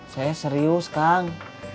saya serius kang